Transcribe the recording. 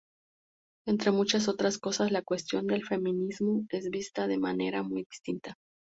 Entre muchas otras cosas, la cuestión del feminismo es vista de manera muy distinta.